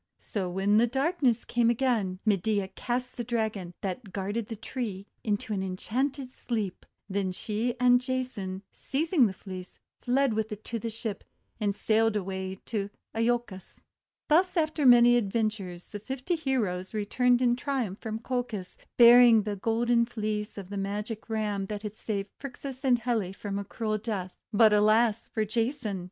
So when darkness came again, Medea cast the Dragon, that guarded the tree, into an en chanted sleep. Then she and Jason, seizing the Fleece, fled with it to the ship, and sailed away to lolcos. Thus after many adventures the fifty heroes returned in triumph from Colchis, bearing the Golden Fleece of the Magic Ram that had saved Phrixus and Helle from a cruel death. But, alas for Jason!